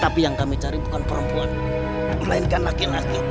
tapi yang kami cari bukan perempuan melainkan laki laki